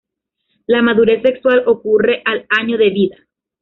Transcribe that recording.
La madurez sexual ocurre al año de vida.